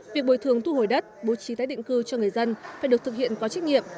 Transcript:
việc bồi thường thu hồi đất bố trí tái định cư cho người dân phải được thực hiện có trách nhiệm